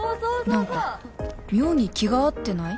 何か妙に気が合ってない？